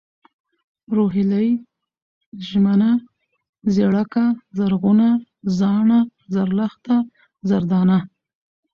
روهيلۍ ، ژمنه ، ژېړکه ، زرغونه ، زاڼه ، زرلښته ، زردانه